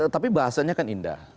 tapi bahasanya kan indah